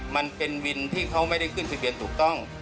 มันเป็นวินที่เขาไม่ได้ขึ้นทะเบียนถูกต้อง